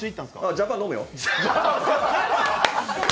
ジャパン飲むよ。